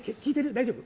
大丈夫？